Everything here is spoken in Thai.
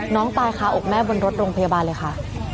น้องตายคาอกแม่บนรถโรงพยาบาลเลยค่ะ